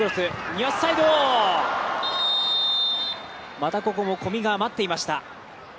またここも小見が待っていました。